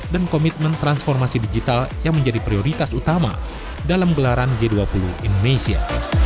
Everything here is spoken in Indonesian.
dan komitmen transformasi digital yang menjadi prioritas utama dalam gelaran g dua puluh indonesia